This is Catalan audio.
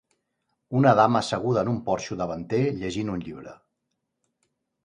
Una dama asseguda en un porxo davanter llegint un llibre.